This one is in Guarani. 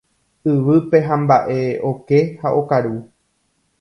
Yvýpe hamba'e oke ha okaru.